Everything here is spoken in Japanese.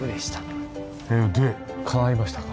で叶いましたか？